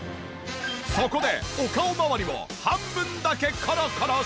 そこでお顔まわりを半分だけコロコロしてみた。